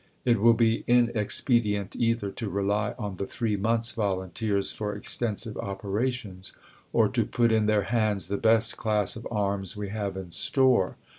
It will be inexpedient either to rely on the three months' volunteers for extensive operations or to put in their hands the best class of arms we have in store.